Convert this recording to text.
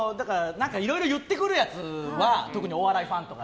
いろいろ言ってくるやつは特にお笑いファンとか。